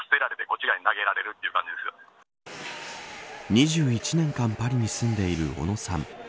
２１年間パリに住んでいる小野さん。